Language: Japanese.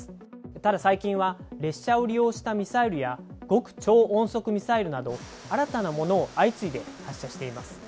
ただ最近は、列車を利用したミサイルや、極超音速ミサイルなど、新たなものを相次いで発射しています。